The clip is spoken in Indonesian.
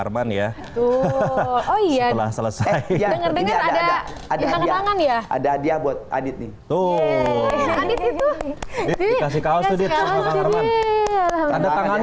arman ya oh iya lah selesai ada ada ada dia buat adit nih tuh kasih kau sudah